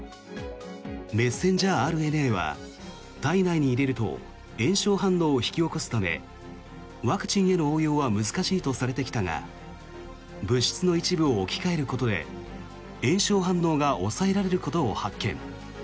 メッセンジャーＲＮＡは体内に入れると炎症反応を引き起こすためワクチンへの応用は難しいとされてきたが物質の一部を置き換えることで炎症反応が抑えられることを発見。